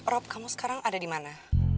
rob kamu sekarang ada di mana